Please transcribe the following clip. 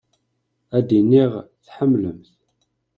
Ad iniɣ tḥemmlem-t.